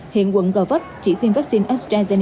hiện quận covap chỉ tiêm vaccine astrazeneca